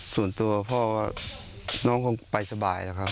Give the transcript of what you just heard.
ส่วนตัวพ่อน้องคงไปสบายแล้วครับ